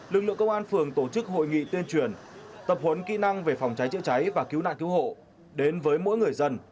lực lượng công an phường tổ chức hội nghị tuyên truyền tập huấn kỹ năng về phòng cháy chữa cháy và cứu nạn cứu hộ đến với mỗi người dân